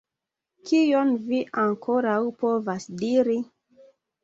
Kion vi ankoraŭ povas diri?